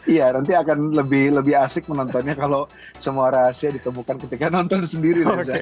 iya nanti akan lebih asik menontonnya kalau semua rahasia ditemukan ketika nonton sendiri